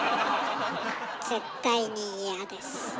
絶対に嫌です。